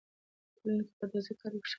ټولنه که پر تغذیه کار وکړي، شخړې کمېږي.